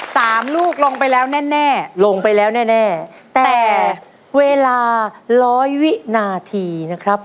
ลูกลงไปแล้วแน่แน่ลงไปแล้วแน่แน่แต่เวลาร้อยวินาทีนะครับ